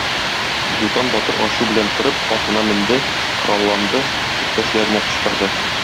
Дутан батыр ачу белән торып, атына менде, коралланды, иптәшләренә кычкырды.